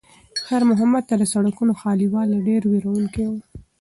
خیر محمد ته د سړکونو خالي والی ډېر وېروونکی و.